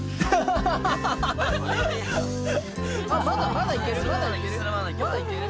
まだまだいける？